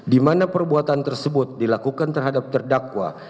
di mana perbuatan tersebut dilakukan terhadap terdakwa